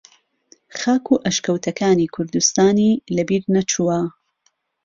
خاک و ئەشکەوتەکانی کوردستانی لە بیر نەچووە